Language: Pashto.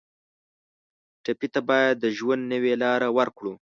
ټپي ته باید د ژوند نوې لاره ورکړو.